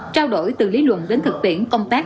trao đổi từ lý luận đến thực tiễn công tác